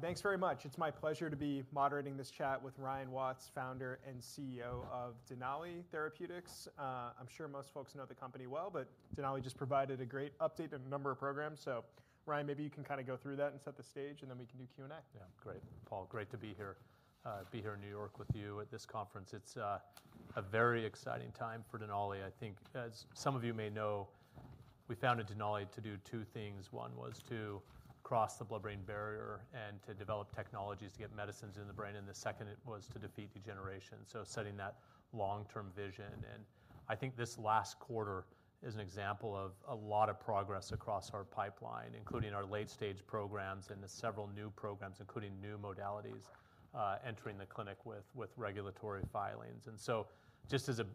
Thanks very much. It's my pleasure to be moderating this chat with Ryan Watts, Founder and CEO of Denali Therapeutics. I'm sure most folks know the company well, but Denali just provided a great update on a number of programs. So, Ryan, maybe you can kind of go through that and set the stage, and then we can do Q&A. Yeah, great. Paul, great to be here in New York with you at this conference. It's a very exciting time for Denali. I think, as some of you may know, we founded Denali to do two things. One was to cross the blood-brain barrier and to develop technologies to get medicines in the brain, and the second was to defeat degeneration. So, setting that long-term vision. And I think this last quarter is an example of a lot of progress across our pipeline, including our late-stage programs and the several new programs, including new modalities entering the clinic with regulatory filings. And so, just as a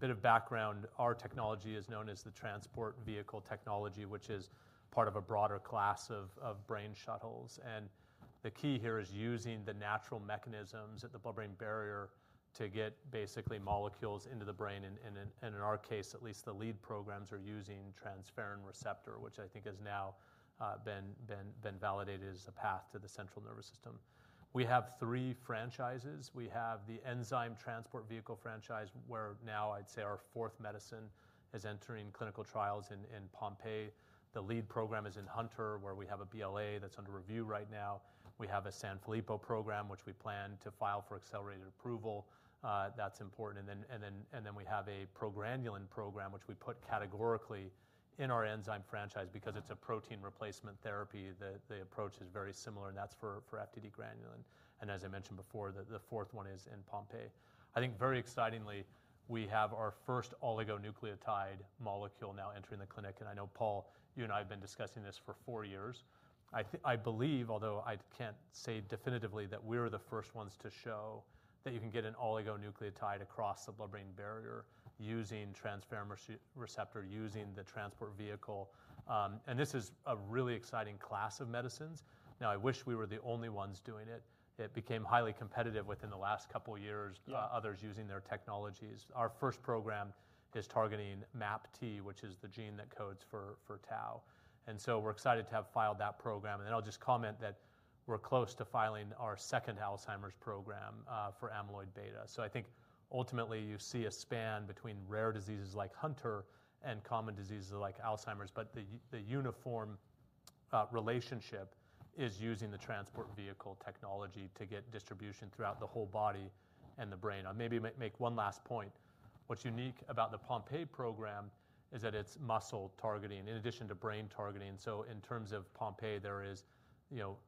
bit of background, our technology is known as the transport vehicle technology, which is part of a broader class of brain shuttles. And the key here is using the natural mechanisms at the blood-brain barrier to get basically molecules into the brain. And in our case, at least the lead programs are using transferrin receptor, which I think has now been validated as a path to the central nervous system. We have three franchises. We have the enzyme transport vehicle franchise, where now I'd say our fourth medicine is entering clinical trials in Pompe. The lead program is in Hunter, where we have a BLA that's under review right now. We have a Sanfilippo program, which we plan to file for accelerated approval. That's important. And then we have a progranulin program, which we put categorically in our enzyme franchise because it's a protein replacement therapy. The approach is very similar, and that's for FTD-GRN. And as I mentioned before, the fourth one is in Pompe. I think very excitingly, we have our first oligonucleotide molecule now entering the clinic. I know, Paul, you and I have been discussing this for four years. I believe, although I can't say definitively, that we're the first ones to show that you can get an oligonucleotide across the blood-brain barrier using transferrin receptor, using the transport vehicle. This is a really exciting class of medicines. Now, I wish we were the only ones doing it. It became highly competitive within the last couple of years, others using their technologies. Our first program is targeting MAPT, which is the gene that codes for tau. We're excited to have filed that program. I'll just comment that we're close to filing our second Alzheimer's program for amyloid beta. So, I think ultimately you see a span between rare diseases like Hunter and common diseases like Alzheimer's, but the uniform relationship is using the transport vehicle technology to get distribution throughout the whole body and the brain. I maybe make one last point. What's unique about the Pompe program is that it's muscle targeting in addition to brain targeting. So, in terms of Pompe, there is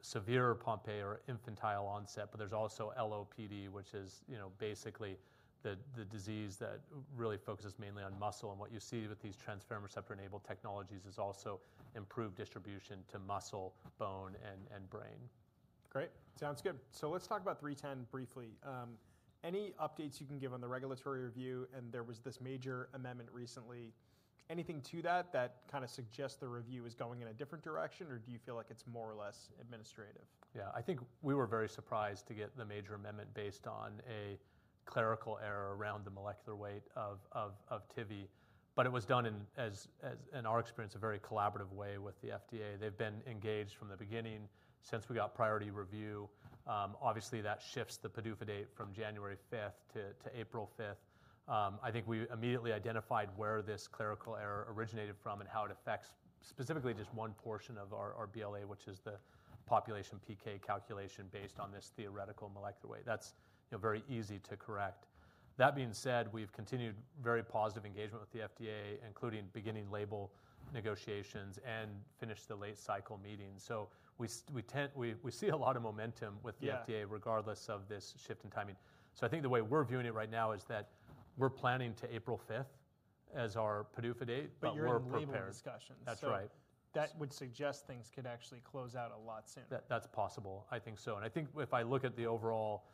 severe Pompe or infantile onset, but there's also LOPD, which is basically the disease that really focuses mainly on muscle. And what you see with these transferrin receptor-enabled technologies is also improved distribution to muscle, bone, and brain. Great. Sounds good. So, let's talk about 310 briefly. Any updates you can give on the regulatory review? And there was this major amendment recently. Anything to that kind of suggests the review is going in a different direction, or do you feel like it's more or less administrative? Yeah, I think we were very surprised to get the major amendment based on a clerical error around the molecular weight of TIVI, but it was done in our experience a very collaborative way with the FDA. They've been engaged from the beginning since we got priority review. Obviously, that shifts the PDUFA date from January 5th to April 5th. I think we immediately identified where this clerical error originated from and how it affects specifically just one portion of our BLA, which is the population PK calculation based on this theoretical molecular weight. That's very easy to correct. That being said, we've continued very positive engagement with the FDA, including beginning label negotiations and finished the late cycle meetings. So, we see a lot of momentum with the FDA regardless of this shift in timing. I think the way we're viewing it right now is that we're planning to April 5th as our PDUFA date, but we're prepared. But you're in the middle of discussions. That's right. That would suggest things could actually close out a lot sooner. That's possible. I think so. And I think if I look at the overall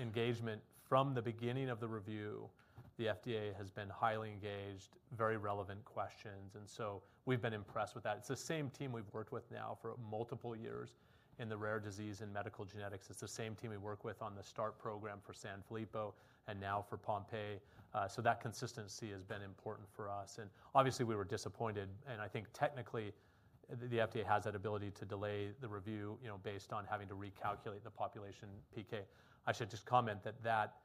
engagement from the beginning of the review, the FDA has been highly engaged, very relevant questions. And so, we've been impressed with that. It's the same team we've worked with now for multiple years in the rare disease and medical genetics. It's the same team we work with on the START program for Sanfilippo and now for Pompe. So, that consistency has been important for us. And obviously, we were disappointed. And I think technically the FDA has that ability to delay the review based on having to recalculate the population PK. I should just comment that that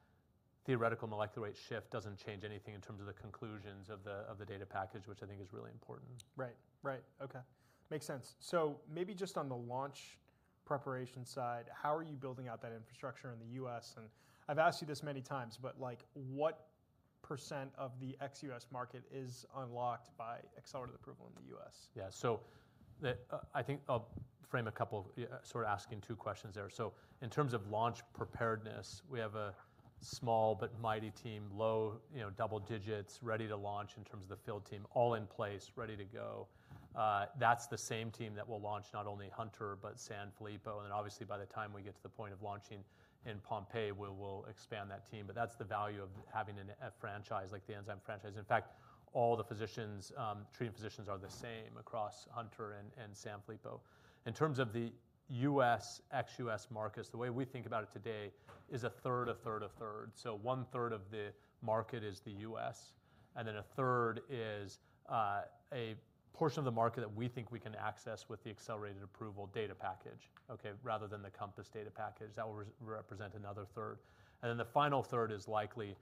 theoretical molecular weight shift doesn't change anything in terms of the conclusions of the data package, which I think is really important. Right, right. Okay. Makes sense. So, maybe just on the launch preparation side, how are you building out that infrastructure in the U.S.? And I've asked you this many times, but what % of the ex-U.S. market is unlocked by accelerated approval in the U.S.? Yeah. So, I think I'll frame a couple of sort of asking two questions there. So, in terms of launch preparedness, we have a small but mighty team, low double digits, ready to launch in terms of the field team, all in place, ready to go. That's the same team that will launch not only Hunter, but Sanfilippo. And then obviously, by the time we get to the point of launching in Pompe, we'll expand that team. But that's the value of having a franchise like the enzyme franchise. In fact, all the physicians, treating physicians are the same across Hunter and Sanfilippo. In terms of the US ex-US markets, the way we think about it today is a third, a third, a third. So, one third of the market is the U.S., and then a third is a portion of the market that we think we can access with the accelerated approval data package, okay, rather than the COMPASS data package. That will represent another third. And then the final third is likely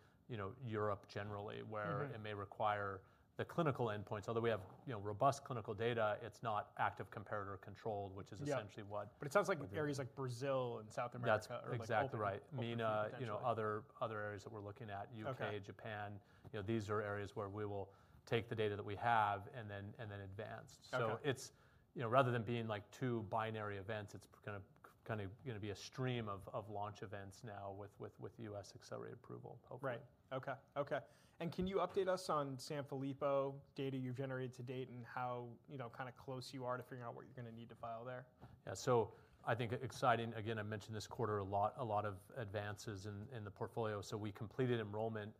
Europe generally, where it may require the clinical endpoints. Although we have robust clinical data, it's not active comparator controlled, which is essentially what. But it sounds like areas like Brazil and South America. That's exactly right. MENA, other areas that we're looking at, U.K., Japan, these are areas where we will take the data that we have and then advance. So, rather than being like two binary events, it's going to be a stream of launch events now with US accelerated approval, hopefully. Right. Okay, okay. And can you update us on Sanfilippo data you've generated to date and how kind of close you are to figuring out what you're going to need to file there? Yeah. So, I think exciting, again, I mentioned this quarter a lot of advances in the portfolio, so we completed enrollment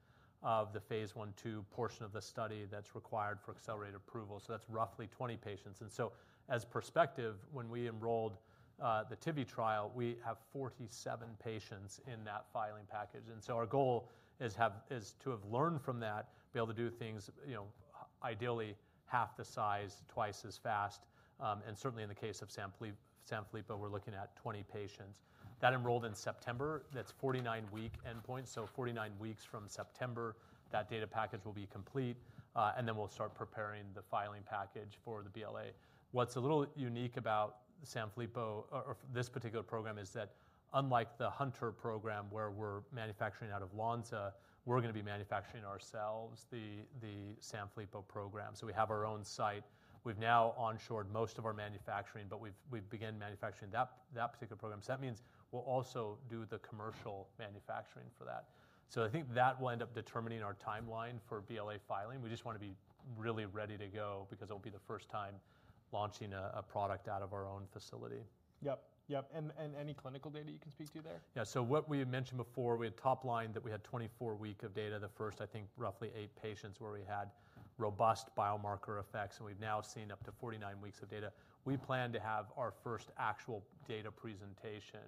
of the phase 1/2 portion of the study that's required for accelerated approval, so that's roughly 20 patients. And so, as perspective, when we enrolled the Tivi trial, we have 47 patients in that filing package, and so our goal is to have learned from that, be able to do things ideally half the size, twice as fast, and certainly in the case of Sanfilippo, we're looking at 20 patients. That enrolled in September, that's 49-week endpoints, so 49 weeks from September, that data package will be complete, and then we'll start preparing the filing package for the BLA. What's a little unique about Sanfilippo or this particular program is that unlike the Hunter program where we're manufacturing out of Lonza, we're going to be manufacturing ourselves the Sanfilippo program. So, we have our own site. We've now onshored most of our manufacturing, but we've begun manufacturing that particular program. So, that means we'll also do the commercial manufacturing for that. I think that will end up determining our timeline for BLA filing. We just want to be really ready to go because it will be the first time launching a product out of our own facility. Yep, yep. And any clinical data you can speak to there? Yeah. So, what we had mentioned before, we had top line that we had 24 weeks of data. The first, I think roughly eight patients where we had robust biomarker effects, and we've now seen up to 49 weeks of data. We plan to have our first actual data presentation,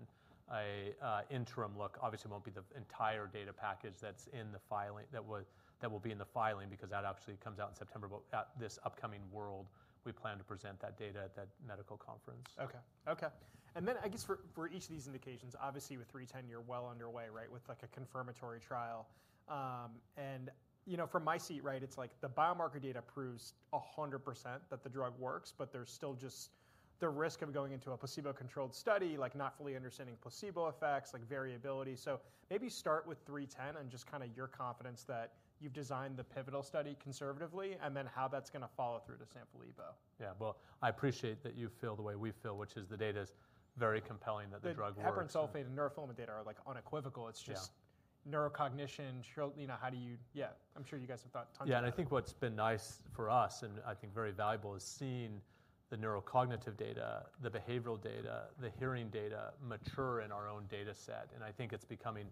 an interim look. Obviously, it won't be the entire data package that's in the filing that will be in the filing because that actually comes out in September. But this upcoming WORLD, we plan to present that data at that medical conference. Okay, okay. And then I guess for each of these indications, obviously with 310, you're well underway, right, with like a confirmatory trial. And from my seat, right, it's like the biomarker data proves 100% that the drug works, but there's still just the risk of going into a placebo-controlled study, like not fully understanding placebo effects, like variability. So, maybe start with 310 and just kind of your confidence that you've designed the pivotal study conservatively and then how that's going to follow through to Sanfilippo. Yeah. Well, I appreciate that you feel the way we feel, which is the data is very compelling that the drug works. The heparan sulfate and neurofilament data are like unequivocal. It's just neurocognition, how do you, yeah, I'm sure you guys have thought tons of things. Yeah. And I think what's been nice for us and I think very valuable is seeing the neurocognitive data, the behavioral data, the hearing data mature in our own data set. And I think it's becoming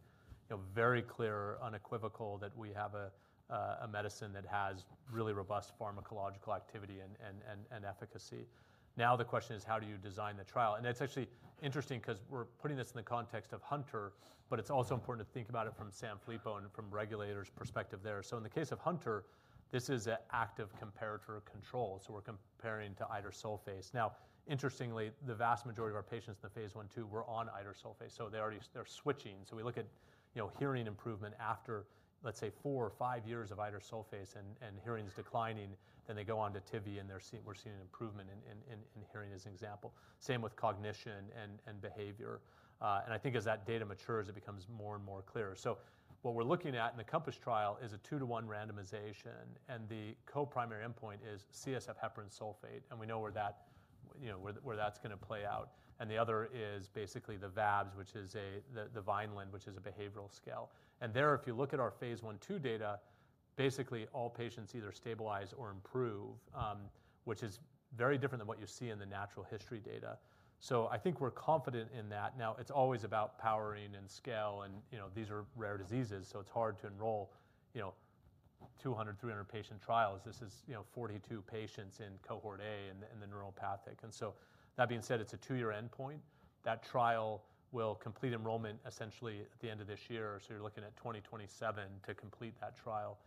very clear, unequivocal that we have a medicine that has really robust pharmacological activity and efficacy. Now the question is, how do you design the trial? And it's actually interesting because we're putting this in the context of Hunter, but it's also important to think about it from Sanfilippo and from regulators' perspective there. So, in the case of Hunter, this is an active comparator control. So, we're comparing to idursulfase. Now, interestingly, the vast majority of our patients in the phase 1/2, we're on idursulfase. So, they're switching. We look at hearing improvement after, let's say, four or five years of idursulfase and hearing's declining, then they go on to TIVI and we're seeing an improvement in hearing as an example. Same with cognition and behavior. I think as that data matures, it becomes more and more clear. What we're looking at in the Compass trial is a two-to-one randomization. The co-primary endpoint is CSF heparan sulfate. We know where that's going to play out. The other is basically the VABS, which is the Vineland, which is a behavioral scale. There, if you look at our phase 1/2 data, basically all patients either stabilize or improve, which is very different than what you see in the natural history data. I think we're confident in that. Now, it's always about powering and scale. These are rare diseases, so it's hard to enroll 200, 300 patient trials. This is 42 patients in cohort A and the neuropathic. That being said, it's a two-year endpoint. That trial will complete enrollment essentially at the end of this year. You're looking at 2027 to complete that trial.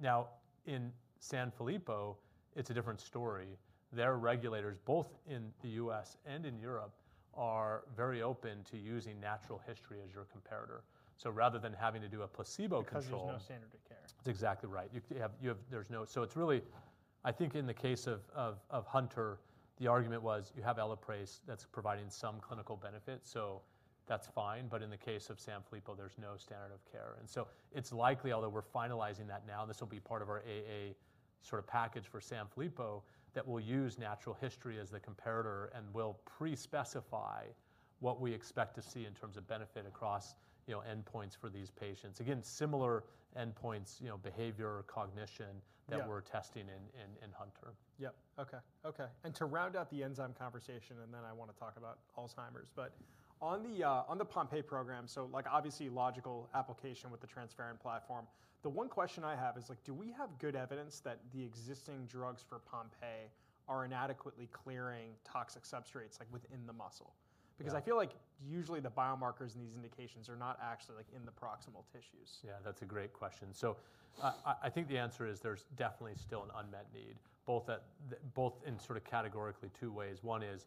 Now, in Sanfilippo, it's a different story. Their regulators, both in the U.S. and in Europe, are very open to using natural history as your comparator, so rather than having to do a placebo control. Because there's no standard of care. That's exactly right. There's no, so it's really, I think in the case of Hunter, the argument was you have Elaprase that's providing some clinical benefit. So, that's fine. But in the case of Sanfilippo, there's no standard of care. And so, it's likely, although we're finalizing that now, this will be part of our accelerated approval sort of package for Sanfilippo that will use natural history as the comparator and will pre-specify what we expect to see in terms of benefit across endpoints for these patients. Again, similar endpoints, behavior, cognition that we're testing in Hunter. Yep. Okay, okay. And to round out the enzyme conversation, and then I want to talk about Alzheimer's, but on the Pompe program, so like obviously logical application with the transferrin platform, the one question I have is like, do we have good evidence that the existing drugs for Pompe are inadequately clearing toxic substrates like within the muscle? Because I feel like usually the biomarkers in these indications are not actually like in the proximal tissues. Yeah, that's a great question. So, I think the answer is there's definitely still an unmet need, both in sort of categorically two ways. One is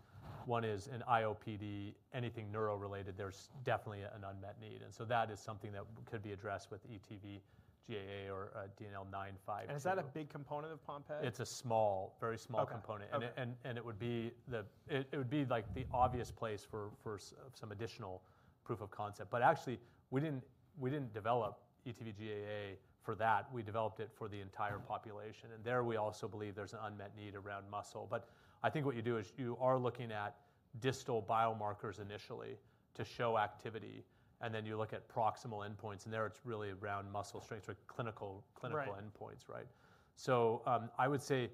an IOPD, anything neuro related, there's definitely an unmet need. And so, that is something that could be addressed with ETV:GAA, or DNL95. Is that a big component of Pompe? It's a small, very small component, and it would be like the obvious place for some additional proof of concept. But actually, we didn't develop ETV:GAA for that. We developed it for the entire population, and there we also believe there's an unmet need around muscle. But I think what you do is you are looking at distal biomarkers initially to show activity, and then you look at proximal endpoints. And there it's really around muscle strength, clinical endpoints, right? So, I would say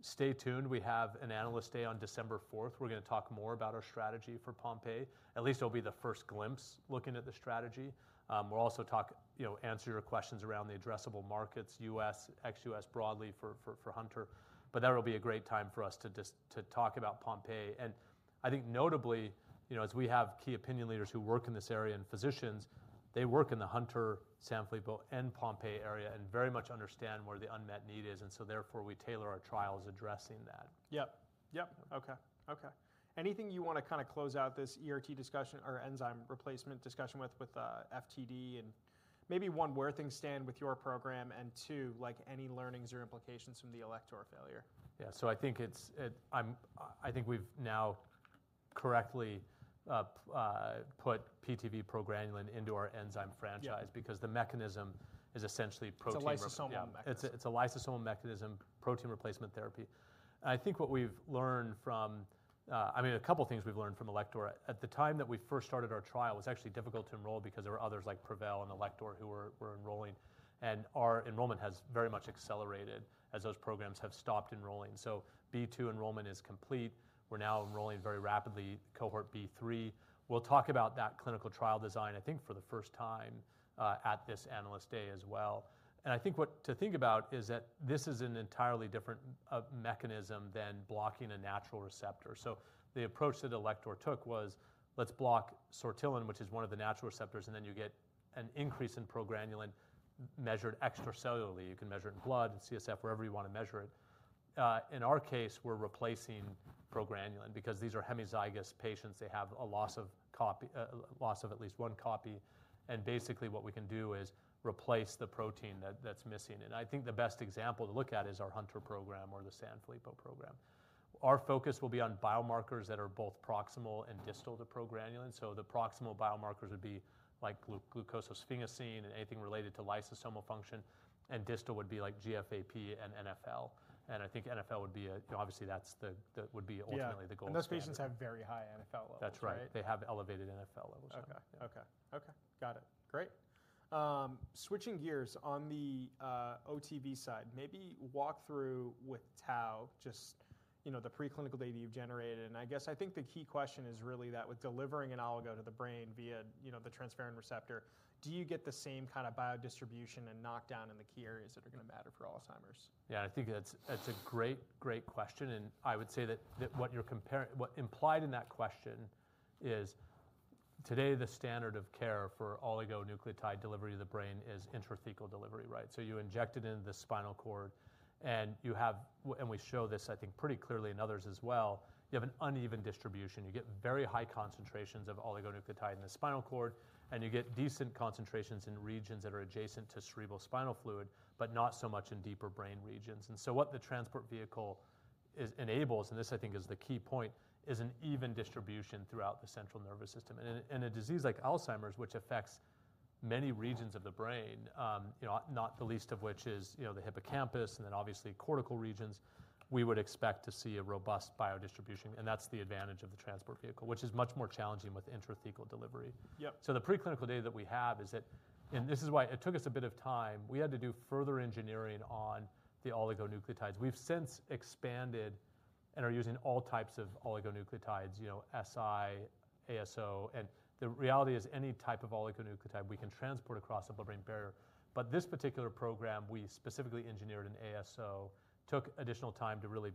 stay tuned. We have an analyst day on December 4th. We're going to talk more about our strategy for Pompe. At least it'll be the first glimpse looking at the strategy. We'll also talk, answer your questions around the addressable markets, US, ex-US broadly for Hunter. But that'll be a great time for us to talk about Pompe. I think notably, as we have key opinion leaders who work in this area and physicians, they work in the Hunter, Sanfilippo, and Pompe area and very much understand where the unmet need is. Therefore we tailor our trials addressing that. Yep, yep. Okay, okay. Anything you want to kind of close out this ERT discussion or enzyme replacement discussion with, with FTD and maybe one, where things stand with your program and two, like any learnings or implications from the Alector failure? Yeah, so I think we've now correctly put ATV progranulin into our enzyme franchise because the mechanism is essentially protein. It's a lysosomal mechanism. It's a lysosomal enzyme replacement therapy. And I think what we've learned from, I mean, a couple of things we've learned from Alector. At the time that we first started our trial, it was actually difficult to enroll because there were others like Prevail and Alector who were enrolling. And our enrollment has very much accelerated as those programs have stopped enrolling. So, B2 enrollment is complete. We're now enrolling very rapidly cohort B3. We'll talk about that clinical trial design, I think for the first time at this analyst day as well. And I think what to think about is that this is an entirely different mechanism than blocking a natural receptor. So, the approach that Alector took was let's block sortilin, which is one of the natural receptors, and then you get an increase in progranulin measured extracellularly. You can measure it in blood, CSF, wherever you want to measure it. In our case, we're replacing progranulin because these are hemizygous patients. They have a loss of at least one copy, and basically what we can do is replace the protein that's missing, and I think the best example to look at is our Hunter program or the Sanfilippo program. Our focus will be on biomarkers that are both proximal and distal to progranulin, so the proximal biomarkers would be like glucosylsphingosine and anything related to lysosomal function, and distal would be like GFAP and NfL, and I think NfL would be, obviously that would be ultimately the goal. Yeah, and those patients have very high NfL levels, right? That's right. They have elevated NfL levels. Okay. Got it. Great. Switching gears on the OTV side, maybe walk through with Tao just the preclinical data you've generated. I guess I think the key question is really that with delivering an oligo to the brain via the transferrin receptor, do you get the same kind of biodistribution and knockdown in the key areas that are going to matter for Alzheimer's? Yeah. I think that's a great, great question. And I would say that what implied in that question is today the standard of care for oligonucleotide delivery to the brain is intrathecal delivery, right? So, you inject it into the spinal cord and you have, and we show this I think pretty clearly in others as well, you have an uneven distribution. You get very high concentrations of oligonucleotide in the spinal cord and you get decent concentrations in regions that are adjacent to cerebrospinal fluid, but not so much in deeper brain regions. And so, what the transport vehicle enables, and this I think is the key point, is an even distribution throughout the central nervous system. And in a disease like Alzheimer's, which affects many regions of the brain, not the least of which is the hippocampus and then obviously cortical regions, we would expect to see a robust biodistribution. And that's the advantage of the transport vehicle, which is much more challenging with intrathecal delivery. So, the preclinical data that we have is that, and this is why it took us a bit of time, we had to do further engineering on the oligonucleotides. We've since expanded and are using all types of oligonucleotides, si, ASO. And the reality is any type of oligonucleotide we can transport across the blood-brain barrier. But this particular program, we specifically engineered an ASO, took additional time to really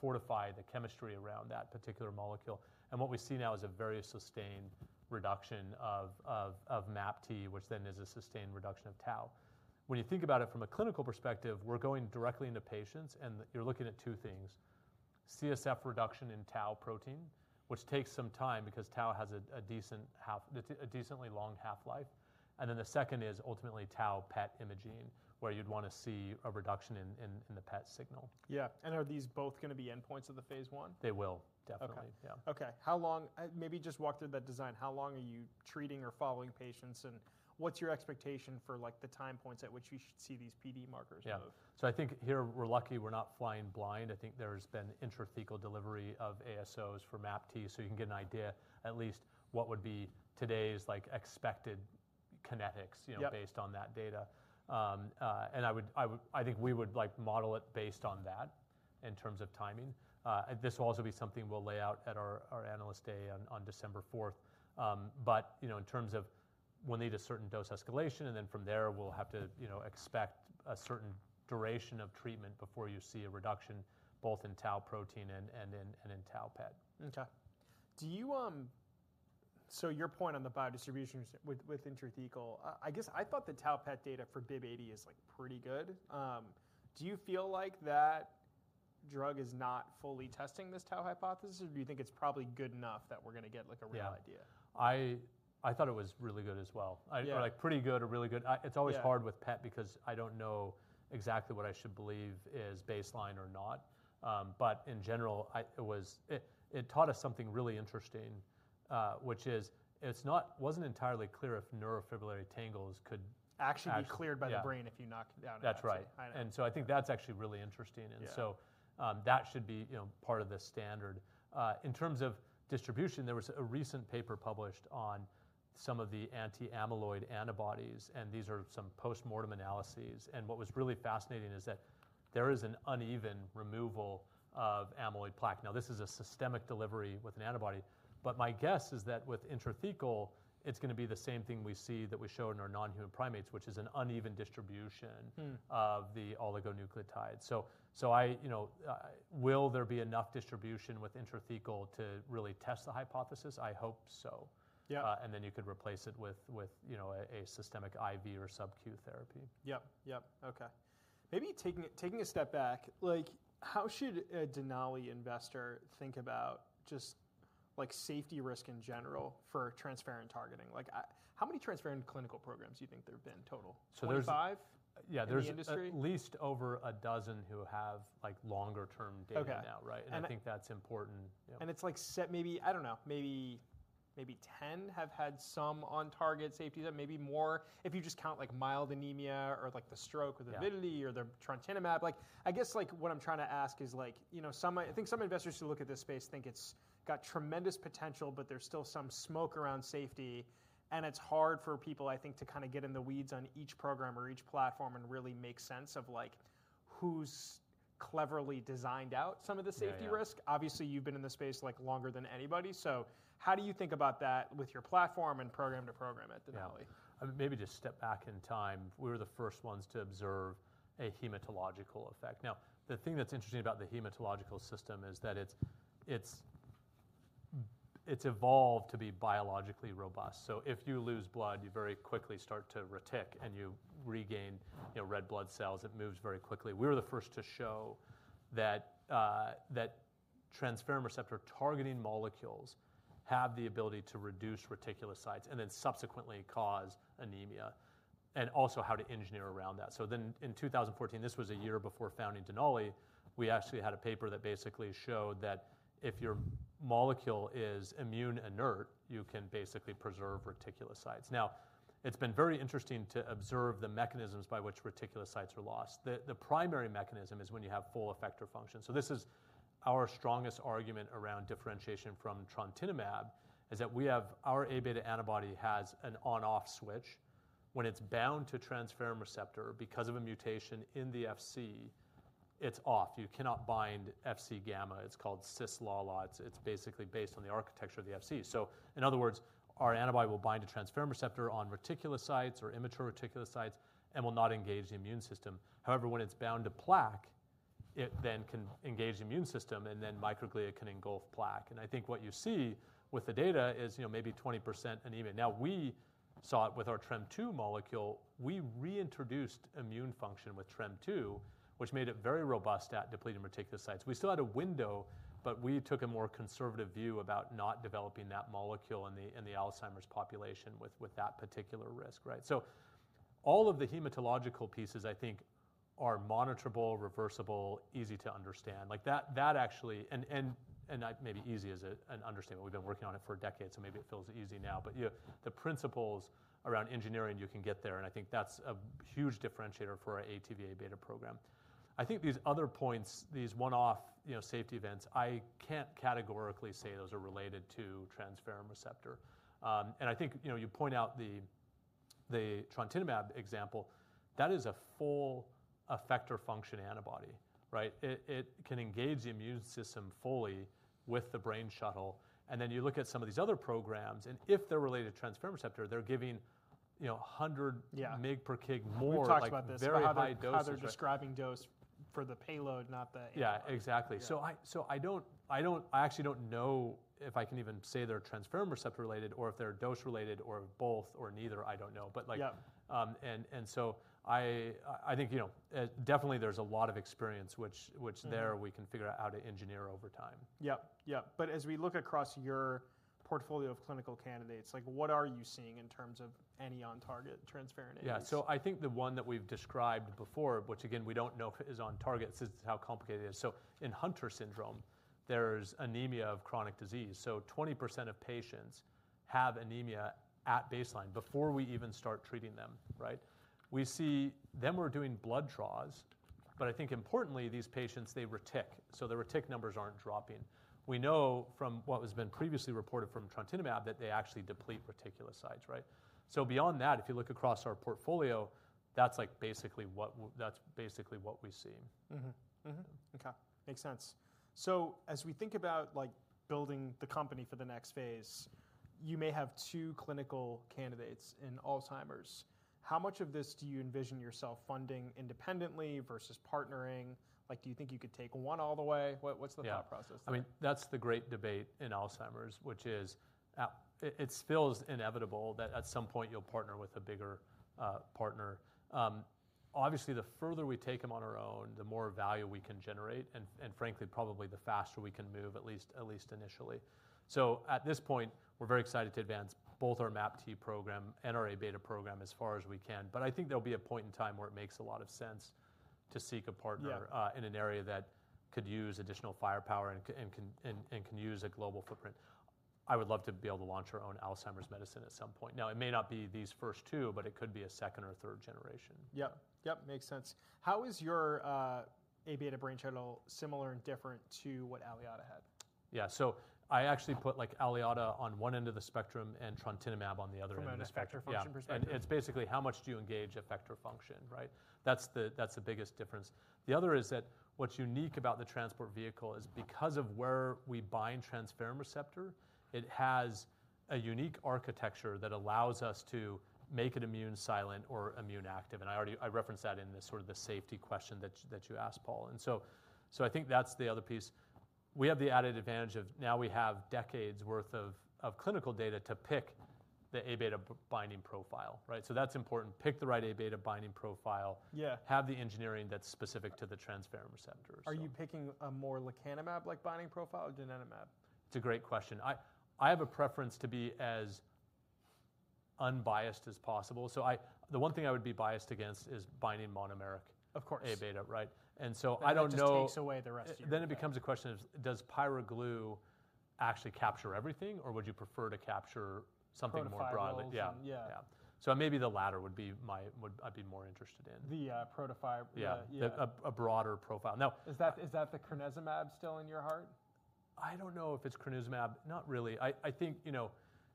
fortify the chemistry around that particular molecule. And what we see now is a very sustained reduction of MAPT, which then is a sustained reduction of tau. When you think about it from a clinical perspective, we're going directly into patients and you're looking at two things. CSF reduction in tau protein, which takes some time because tau has a decently long half-life. And then the second is ultimately tau PET imaging where you'd want to see a reduction in the PET signal. Yeah, and are these both going to be endpoints of the phase one? They will, definitely. Yeah. Okay. How long? Maybe just walk through that design. How long are you treating or following patients, and what's your expectation for like the time points at which you should see these PD markers move? Yeah. So, I think here we're lucky. We're not flying blind. I think there's been intrathecal delivery of ASOs for MAPT. So, you can get an idea at least what would be today's like expected kinetics based on that data. And I think we would model it based on that in terms of timing. This will also be something we'll lay out at our analyst day on December 4th. But in terms of we'll need a certain dose escalation and then from there we'll have to expect a certain duration of treatment before you see a reduction both in Tau protein and in Tau PET. Your point on the biodistribution with intrathecal, I guess I thought the Tau PET data for BIIB080 is like pretty good. Do you feel like that drug is not fully testing this Tau hypothesis or do you think it's probably good enough that we're going to get like a real idea? Yeah. I thought it was really good as well. Like pretty good or really good. It's always hard with PET because I don't know exactly what I should believe is baseline or not. But in general, it taught us something really interesting, which is it wasn't entirely clear if neurofibrillary tangles could. can be cleared by the brain if you knocked down an enzyme. That's right, and so I think that's actually really interesting, and so that should be part of the standard. In terms of distribution, there was a recent paper published on some of the anti-amyloid antibodies, and these are some post-mortem analyses, and what was really fascinating is that there is an uneven removal of amyloid plaque. Now, this is a systemic delivery with an antibody, but my guess is that with intrathecal, it's going to be the same thing we see that we showed in our non-human primates, which is an uneven distribution of the oligonucleotides, so will there be enough distribution with intrathecal to really test the hypothesis? I hope so, and then you could replace it with a systemic IV or subQ therapy. Yep, yep. Okay. Maybe taking a step back, like how should a Denali investor think about just like safety risk in general for transferrin targeting? Like how many transferrin clinical programs do you think there have been total? So, there's. 25 in the industry? Yeah, there's at least over a dozen who have like longer-term data now, right? And I think that's important. It's like maybe, I don't know, maybe 10 have had some on-target safety then, maybe more. If you just count like mild anemia or like the stroke or the vitiligo or the Trontinemab, like I guess like what I'm trying to ask is like, I think some investors who look at this space think it's got tremendous potential, but there's still some smoke around safety. It's hard for people, I think, to kind of get in the weeds on each program or each platform and really make sense of like who's cleverly designed out some of the safety risk. Obviously, you've been in the space like longer than anybody. So, how do you think about that with your platform and program to program at Denali? Maybe just step back in time. We were the first ones to observe a hematological effect. Now, the thing that's interesting about the hematological system is that it's evolved to be biologically robust. So, if you lose blood, you very quickly start to retic and you regain red blood cells. It moves very quickly. We were the first to show that transferrin receptor targeting molecules have the ability to reduce reticulocytes and then subsequently cause anemia and also how to engineer around that. So, then in 2014, this was a year before founding Denali, we actually had a paper that basically showed that if your molecule is immune inert, you can basically preserve reticulocytes. Now, it's been very interesting to observe the mechanisms by which reticulocytes are lost. The primary mechanism is when you have full effector function. This is our strongest argument around differentiation from Trontinemab is that our A beta antibody has an on-off switch. When it's bound to transferrin receptor because of a mutation in the Fc, it's off. You cannot bind Fc gamma. It's called LALA. It's basically based on the architecture of the Fc So, in other words, our antibody will bind to transferrin receptor on reticulocytes or immature reticulocytes and will not engage the immune system. However, when it's bound to plaque, it then can engage the immune system and then microglia can engulf plaque. And I think what you see with the data is maybe 20% anemia. Now, we saw it with our TREM2 molecule. We reintroduced immune function with TREM2, which made it very robust at depleting reticulocytes. We still had a window, but we took a more conservative view about not developing that molecule in the Alzheimer's population with that particular risk, right? So, all of the hematological pieces, I think, are monitorable, reversible, easy to understand. Like that actually, and maybe easy as an understanding. We've been working on it for a decade, so maybe it feels easy now. But the principles around engineering, you can get there. And I think that's a huge differentiator for our ATV:Abeta program. I think these other points, these one-off safety events, I can't categorically say those are related to transferrin receptor. And I think you point out the Trontinemab example, that is a full effector function antibody, right? It can engage the immune system fully with the brain shuttle. And then you look at some of these other programs, and if they're related to transferrin receptor, they're giving 100 mg per kg, more of a very high dosage. We talked about this. How they're describing dose for the payload, not the antibody. Yeah, exactly. So, I actually don't know if I can even say they're transferrin receptor related or if they're dose related or both or neither. I don't know. But like, and so, I think definitely there's a lot of experience, which there we can figure out how to engineer over time. Yep, yep. But as we look across your portfolio of clinical candidates, like what are you seeing in terms of any on-target transferrin agents? Yeah. So, I think the one that we've described before, which again, we don't know if it is on target. This is how complicated it is. So, in Hunter syndrome, there's anemia of chronic disease. So, 20% of patients have anemia at baseline before we even start treating them, right? We see that when we're doing blood draws, but I think importantly, these patients, they retic. So, the retic numbers aren't dropping. We know from what has been previously reported from Trontinemab that they actually deplete reticulocytes, right? So, beyond that, if you look across our portfolio, that's like basically what we see. Okay. Makes sense. So, as we think about like building the company for the next phase, you may have two clinical candidates in Alzheimer's. How much of this do you envision yourself funding independently versus partnering? Like do you think you could take one all the way? What's the thought process there? Yeah. I mean, that's the great debate in Alzheimer's, which is it feels inevitable that at some point you'll partner with a bigger partner. Obviously, the further we take them on our own, the more value we can generate. And frankly, probably the faster we can move, at least initially. So, at this point, we're very excited to advance both our MAPT program and our A beta program as far as we can. But I think there'll be a point in time where it makes a lot of sense to seek a partner in an area that could use additional firepower and can use a global footprint. I would love to be able to launch our own Alzheimer's medicine at some point. Now, it may not be these first two, but it could be a second or third generation. Yep, yep. Makes sense. How is your A beta brain shuttle similar and different to what Aliada had? Yeah. So, I actually put like Aliada on one end of the spectrum and Trontinemab on the other end of the spectrum. From an effector function perspective. It's basically how much do you engage effector function, right? That's the biggest difference. The other is that what's unique about the transport vehicle is because of where we bind transferrin receptor, it has a unique architecture that allows us to make it immune silent or immune active. I referenced that in sort of the safety question that you asked, Paul. So, I think that's the other piece. We have the added advantage of now we have decades' worth of clinical data to pick the A beta binding profile, right? That's important. Pick the right A beta binding profile, have the engineering that's specific to the transferrin receptors. Are you picking a more lecanemab-like binding profile or donanemab? It's a great question. I have a preference to be as unbiased as possible. So, the one thing I would be biased against is binding monomeric A beta, right? And so, I don't know. Which takes away the rest of your. Then it becomes a question of does pyroglue actually capture everything or would you prefer to capture something more broadly? The potential. Yeah. So, maybe the latter would be. I'd be more interested in. The ProtoFi. Yeah, a broader profile. Now. Is that the Crenezumab still in your heart? I don't know if it's Crenezumab. Not really. I think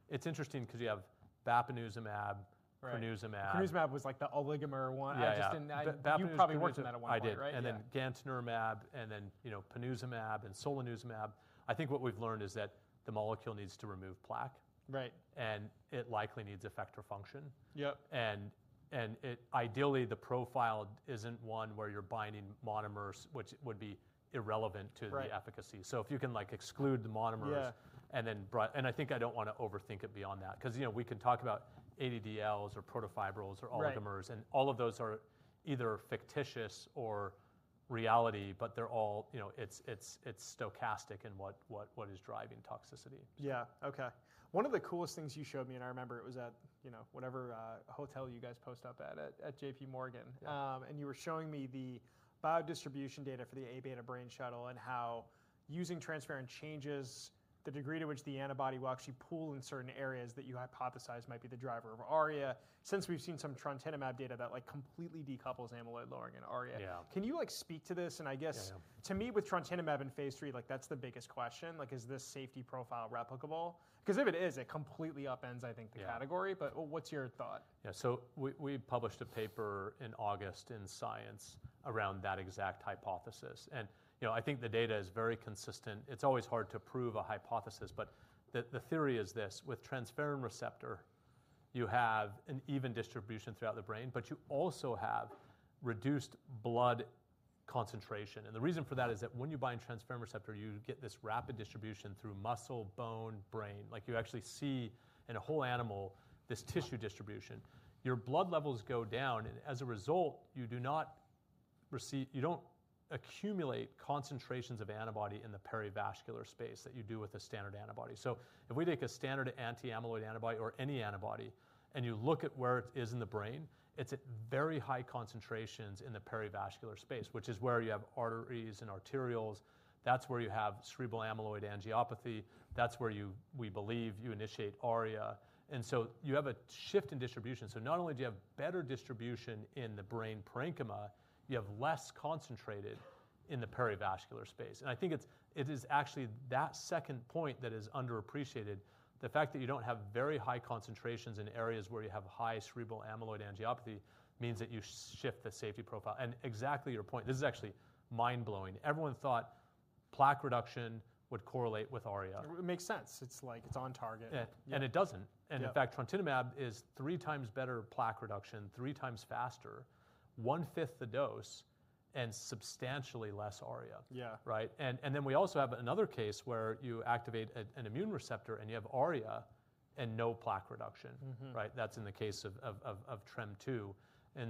it's interesting because you have Bapineuzumab, Crenezumab. Crenezumab was like the oligomer one. Yeah. You probably worked on that one, right? I did. And then Gantenerumab and then Ponezumab and Solanezumab. I think what we've learned is that the molecule needs to remove plaque. Right. It likely needs effector function. Yep. Ideally, the profile isn't one where you're binding monomers, which would be irrelevant to the efficacy. So, if you can like exclude the monomers and then and I think I don't want to overthink it beyond that. Because we can talk about ADDLs or protofibrils or oligomers. All of those are either fictitious or reality, but they're all stochastic in what is driving toxicity. Yeah. Okay. One of the coolest things you showed me, and I remember it was at whatever hotel you guys post up at, at J.P. Morgan. And you were showing me the biodistribution data for the A beta brain shuttle and how using transferrin changes the degree to which the antibody will actually pool in certain areas that you hypothesize might be the driver of ARIA. Since we've seen some Trontinemab data that like completely decouples amyloid lowering in ARIA. Can you like speak to this? And I guess to me with Trontinemab in phase three, like that's the biggest question. Like is this safety profile replicable? Because if it is, it completely upends, I think, the category. But what's your thought? Yeah. So, we published a paper in August in Science around that exact hypothesis. And I think the data is very consistent. It's always hard to prove a hypothesis, but the theory is this: with transferrin receptor, you have an even distribution throughout the brain, but you also have reduced blood concentration. And the reason for that is that when you bind transferrin receptor, you get this rapid distribution through muscle, bone, brain. Like you actually see in a whole animal this tissue distribution. Your blood levels go down. And as a result, you don't accumulate concentrations of antibody in the perivascular space that you do with a standard antibody. So, if we take a standard anti-amyloid antibody or any antibody and you look at where it is in the brain, it's at very high concentrations in the perivascular space, which is where you have arteries and arterioles. That's where you have cerebral amyloid angiopathy. That's where we believe you initiate ARIA. And so, you have a shift in distribution. So, not only do you have better distribution in the brain parenchyma, you have less concentrated in the perivascular space. And I think it is actually that second point that is underappreciated. The fact that you don't have very high concentrations in areas where you have high cerebral amyloid angiopathy means that you shift the safety profile. And exactly your point. This is actually mind-blowing. Everyone thought plaque reduction would correlate with ARIA. It makes sense. It's like it's on target. It doesn't. In fact, Trontinemab is three times better plaque reduction, three times faster, one-fifth the dose, and substantially less ARIA, right? Then we also have another case where you activate an immune receptor and you have ARIA and no plaque reduction, right? That's in the case of TREM2.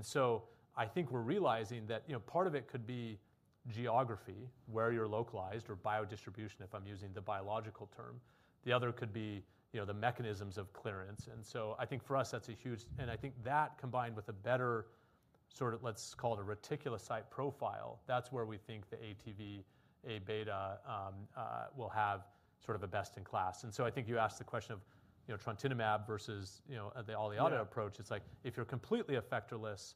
So, I think we're realizing that part of it could be geography, where you're localized, or biodistribution, if I'm using the biological term. The other could be the mechanisms of clearance. So, I think for us, that's a huge and I think that combined with a better sort of, let's call it a reticulocyte profile, that's where we think the ATV Abeta will have sort of the best in class. So, I think you asked the question of Trontinemab versus the Aliada approach. It's like if you're completely effectorless,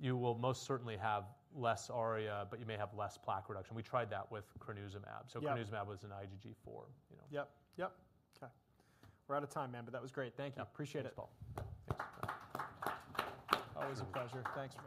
you will most certainly have less ARIA, but you may have less plaque reduction. We tried that with Crenezumab. So, Crenezumab was an IgG4. Yep, yep. Okay. We're out of time, man, but that was great. Thank you. Appreciate it. Thanks, Paul. Always a pleasure. Thanks.